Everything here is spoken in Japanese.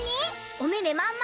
おめめまん丸。